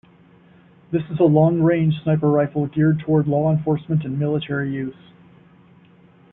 This is a long-range sniper rifle geared toward law enforcement and military use.